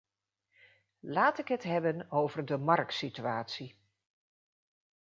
Laat ik het hebben over de marksituatie.